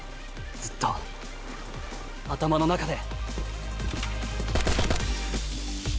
ずっと頭の中で。